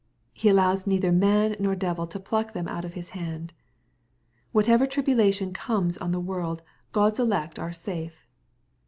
He allows neither man nor devil to pluck them out of His hand. Whatever tribulation comes on the world, Q od's elect are safe.